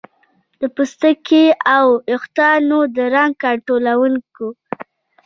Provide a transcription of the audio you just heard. د پوستکي او ویښتانو د رنګ کنټرولونکو